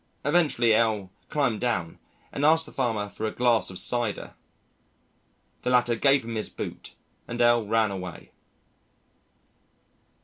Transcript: Eventually L climbed down and asked the farmer for a glass of cider. The latter gave him his boot and L ran away.